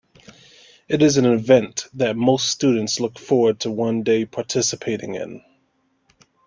It is an event that most students look forward to one day participating in.